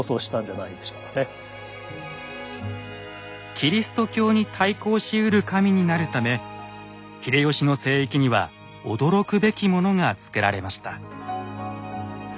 キリスト教に対抗しうる神になるため秀吉の聖域には驚くべきものが造られました。